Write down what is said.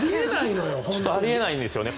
あり得ないんですよね。